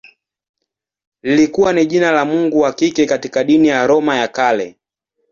Lilikuwa pia jina la mungu wa kike katika dini ya Roma ya Kale.